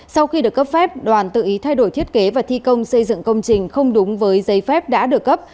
sau khi được cấp phép đoàn tự ý thay đổi thiết kế và thi công xây dựng công trình không đúng với giấy phép đã được cấp